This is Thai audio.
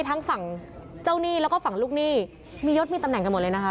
ทั้งฝั่งเจ้าหนี้แล้วก็ฝั่งลูกหนี้มียศมีตำแหน่งกันหมดเลยนะคะ